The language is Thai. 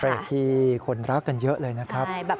ที่คนรักกันเยอะเลยนะครับ